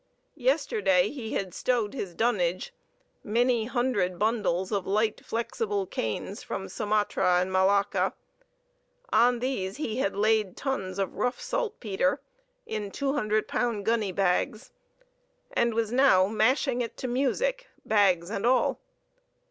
Yesterday he had stowed his dunnage, many hundred bundles of light flexible canes from Sumatra and Malacca; on these he had laid tons of rough saltpetre, in 200 lb. gunny bags: and was now mashing it to music, bags and all.